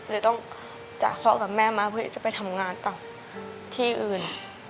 เลยต้องจากพ่อกับแม่มาเพื่อจะไปทำงานต่อที่อื่น